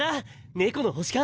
猫の星か？